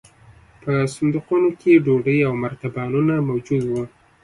په صندوقونو کې ډوډۍ او مرتبانونه موجود وو